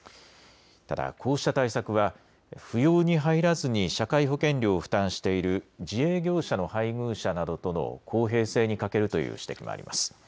ただ、こうした対策は扶養に入らずに社会保険料を負担している自営業者の配偶者などとの公平性に欠けるという指摘もあります。